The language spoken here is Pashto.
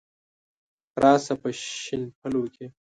را شه په شین پلو کي